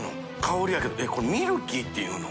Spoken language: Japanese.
ミルキーっていうの？